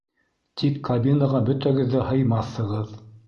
Тик кабинаға бөтәгеҙ ҙә һыймаҫһығыҙ.